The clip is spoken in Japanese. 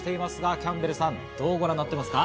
キャンベルさん、どうご覧になっていますか？